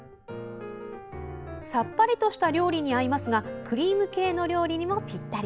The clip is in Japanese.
さっぱりとした料理に合いますがクリーム系の料理にもぴったり。